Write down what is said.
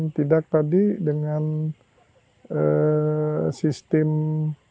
paling tidak tadi dengan paling tidak tadi dengan